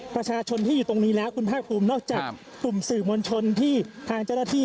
ประชาชนที่อยู่ตรงนี้แล้วคุณภาคภูมินอกจากกลุ่มสื่อมวลชนที่ทางเจ้าหน้าที่